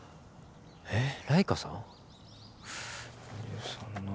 えっライカさん？